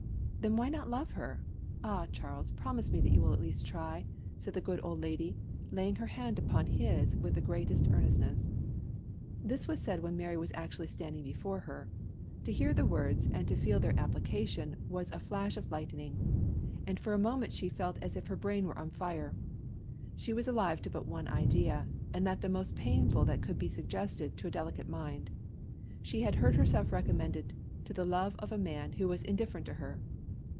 "Then why not love her? Ah! Charles, promise me that you will at least try!" said the good old lady, laying her hand upon his with the greatest earnestness. This was said when Mary was actually standing before her. To hear the words, and to feel their application, was a flash of lightning; and for a moment she felt as if her brain were on fire. She was alive but to one idea, and that the most painful that could be suggested to a delicate mind. She had heard herself recommended to the love of a man who was indifferent to her.